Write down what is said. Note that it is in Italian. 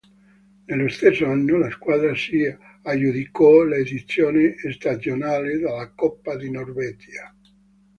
Nello stesso anno, la squadra si aggiudicò l'edizione stagionale della Coppa di Norvegia.